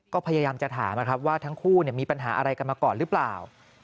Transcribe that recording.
ก็พยายามจะถามว่าทั้งคู่มีปัญหาอะไรกันมาก่อนหรือเปล่า